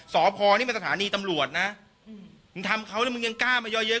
สพนี่มันสถานีตำรวจนะมึงทำเขาแล้วมึงยังกล้ามาเยอะเยอะ